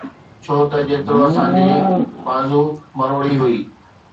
ڇو ته جيترو اسان جي بازو مروڙي هئي.